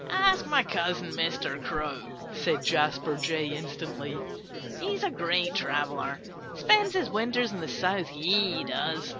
"Ask my cousin, Mr. Crow," said Jasper Jay instantly. "He's a great traveller. Spends his winters in the South, he does.